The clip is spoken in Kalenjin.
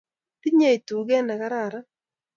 tinyei tuket ne kararan